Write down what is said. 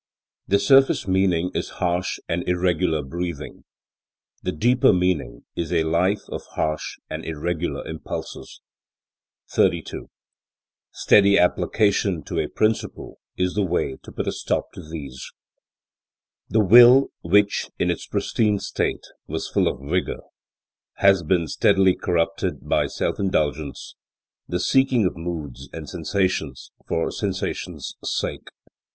The surface meaning is harsh and irregular breathing; the deeper meaning is a life of harsh and irregular impulses. 32. Steady application to a principle is the way to put a stop to these. The will, which, in its pristine state, was full of vigour, has been steadily corrupted by self indulgence, the seeking of moods and sensations for sensation's sake.